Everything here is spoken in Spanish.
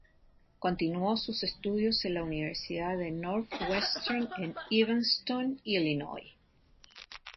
Continuó sus estudios en la Universidad de Northwestern en Evanston, Illinois.